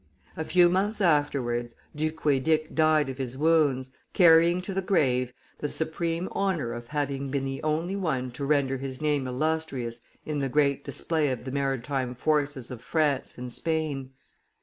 A few months afterwards Du Couedic died of his wounds, carrying to the grave the supreme honor of having been the only one to render his name illustrious in the great display of the maritime forces of France and Spain.